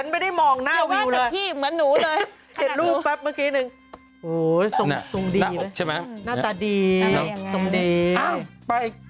ข้างข้างไข